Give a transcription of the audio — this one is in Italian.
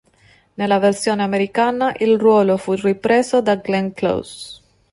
Nella versione americana il ruolo fu ripreso da Glenn Close.